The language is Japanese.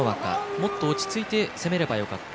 もっと落ち着いて攻めればよかった。